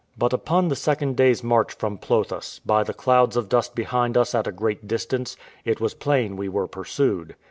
But upon the second day's march from Plothus, by the clouds of dust behind us at a great distance, it was plain we were pursued.